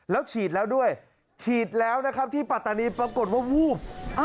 แล้วฉีดแล้วด้วยฉีดแล้วนะครับที่ปัตตานีปรากฏว่าวูบ